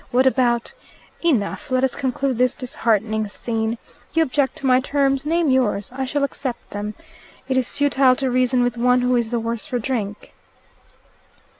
What about enough! Let us conclude this disheartening scene. You object to my terms. Name yours. I shall accept them. It is futile to reason with one who is the worse for drink."